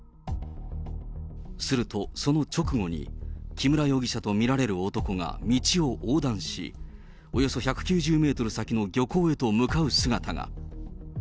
すると、その直後に木村容疑者と見られる男が道を横断し、およそ１９０メートル先の漁港へと向かう姿が。